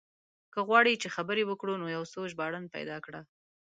که غواړې چې خبرې وکړو نو يو ژباړن پيدا کړه.